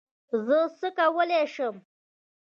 زه څه کولی شم؟